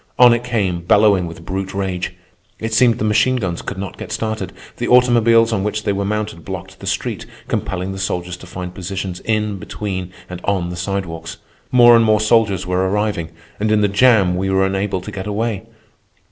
On it came, bellowing with brute rage. It seemed the machine guns could not get started. The automobiles on which they were mounted blocked the street, compelling the soldiers to find positions in, between, and on the sidewalks. More and more soldiers were arriving, and in the jam we were unable to get away.